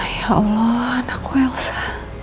ya allah anakku elsa